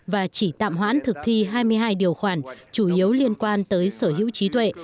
và chỉ tạm hoãn thực thi hai mươi hai điều khoản chủ yếu liên quan tới sở hữu trí tuệ